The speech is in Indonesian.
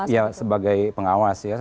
ya sebagai pengawas ya